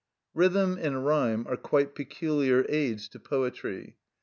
Rhythm and rhyme are quite peculiar aids to poetry.